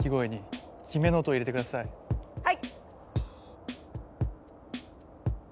はい！